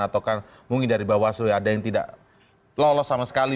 atau mungkin dari bawaslu ada yang tidak lolos sama sekali